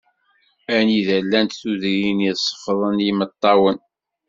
Anida i llant tudrin i ṣeffḍen yimeṭṭawen.